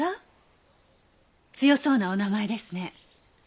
強そうなお名前ですね。